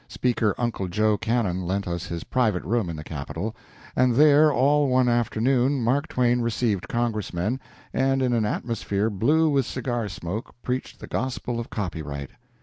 Speaker "Uncle Joe" Cannon lent us his private room in the Capitol, and there all one afternoon Mark Twain received Congressmen, and in an atmosphere blue with cigar smoke preached the gospel of copyright.